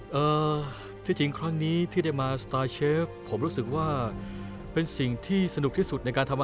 วันนี้คุณต้องไปจากเวทีสตาร์เชฟของเราแล้วนะครับ